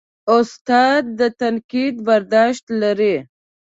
استاد د تنقید برداشت لري.